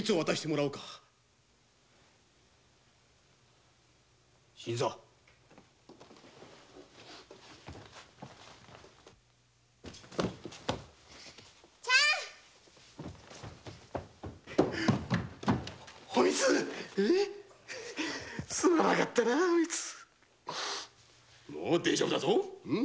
もう大丈夫だぞ。